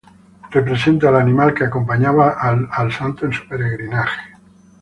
Representa el animal que acompañaba al santo en su peregrinaje.